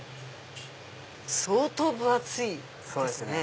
相当分厚いですね。